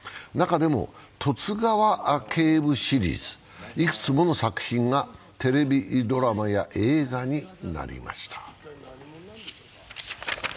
中でも「十津川警部」シリーズ、いくつもの作品がテレビドラマや映画になりました。